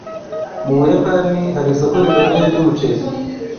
Mu Buyapani hari isoko rikomeye ryumuceri.